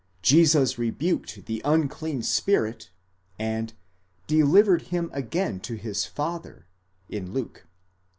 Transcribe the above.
Jesus rebuked the unclean spirit, and ἀπέδωκε x. τ. X. delivered him again to his father, in Luke.